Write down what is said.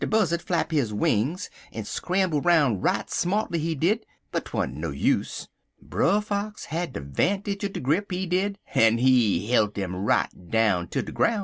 Buzzard flap his wings, en scramble 'roun' right smartually, he did, but 'twant no use. Brer Fox had de 'vantage er de grip, he did, en he hilt 'im right down ter de groun'.